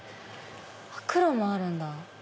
黒もあるんだ。